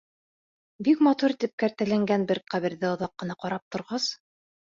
Бик матур итеп кәртәләнгән бер ҡәберҙе оҙаҡ ҡына ҡарап торғас: